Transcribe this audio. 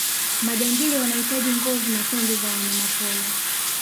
majangili wanahitaji ngozi na pembe za wanyamapori